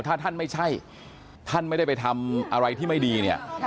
ถ้าท่านไม่ใช่ท่านไม่ได้ไปทำอะไรที่ไม่ดีเนี่ย